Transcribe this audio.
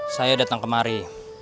saya datang kemari